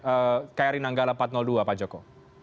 dalam upaya pencarian kri nanggala empat ratus dua pak joko